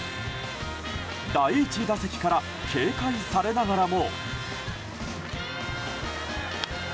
第１打席から警戒されながらも。